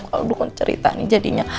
aduh kan cerita nih jadinya